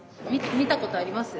見たことあります？